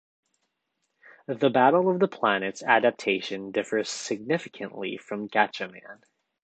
The "Battle of the Planets" adaptation differs significantly from "Gatchaman".